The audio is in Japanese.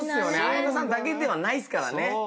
彩乃さんだけではないっすからね。